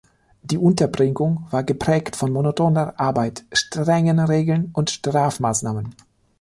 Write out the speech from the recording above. Die Unterbringung war geprägt von monotoner Arbeit, strengen Regeln und Strafmaßnahmen.